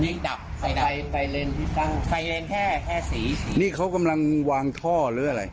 ดับไฟไปไปเลนที่ตั้งไฟเลนแค่แค่สีนี่เขากำลังวางท่อหรืออะไร